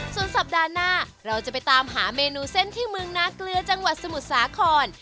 ส่วนสัปดาห์หน้าเราจะไปตามหาเมนูเส้นที่เมืองนาเกลือจังหวัดสมุทรสาคร